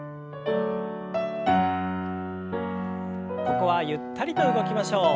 ここはゆったりと動きましょう。